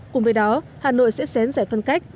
cùng với đó hà nội sẽ xén giải phân cách